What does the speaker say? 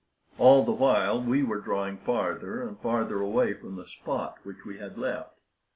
All the while we were drawing farther and farther away from the spot which we had left.